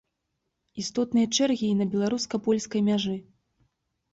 Істотныя чэргі і на беларуска-польскай мяжы.